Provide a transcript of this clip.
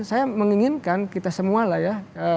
saya menginginkan kita semua lah ya